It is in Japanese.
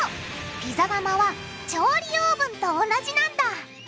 ピザ窯は調理オーブンと同じなんだ。